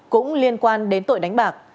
cũng liên quan đến tội đánh bạc